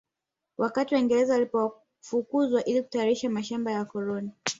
Wakati waingereze walipowafukuza ili kutayarisha mashamaba ya wakoloni